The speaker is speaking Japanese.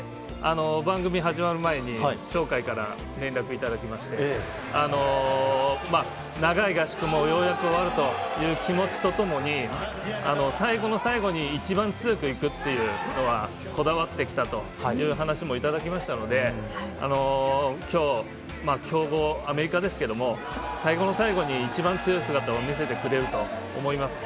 番組が始まる前に、鳥海から連絡をいただきまして、長い合宿もようやく終わるという気持ちとともに最後の最後に一番強く行くっていうのはこだわってきたという話もいただきましたので、今日、強豪・アメリカですけれど、最後の最後に一番強い姿を見せてくれると思います。